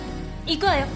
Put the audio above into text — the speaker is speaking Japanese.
行くわよ